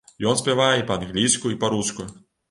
Ён спявае і па-англійску, і па-руску.